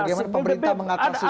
bagaimana pemerintah mengatasi itu